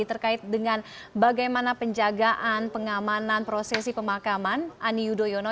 terkait dengan bagaimana penjagaan pengamanan prosesi pemakaman ani yudhoyono